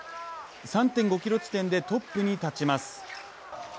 ３．５ｋｍ地点でトップに立ちます。